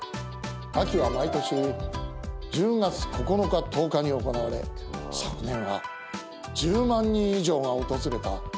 秋は毎年１０月９日１０日に行われ昨年は１０万人以上が訪れた大人気イベント。